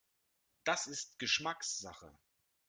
Das ist Geschmackssache.